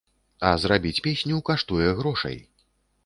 А зрабіць песню каштуе грошай.